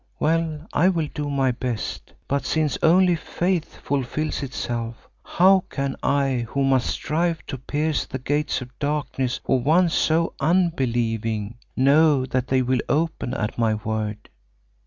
Well, I will do my best, but since only faith fulfils itself, how can I who must strive to pierce the gates of darkness for one so unbelieving, know that they will open at my word?